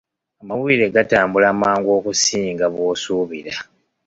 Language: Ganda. Amawulire gatambula mangu okusinga bw'osuubira.